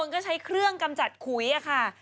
บางคนก็ใช้เครื่องกำจาดขุยค่ะ